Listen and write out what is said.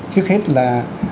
trước hết là